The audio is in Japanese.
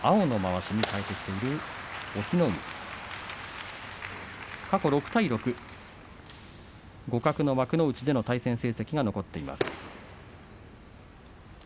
今場所は、青のまわしにかえてきている隠岐の海過去６対６互角の幕内での対戦成績が残っています。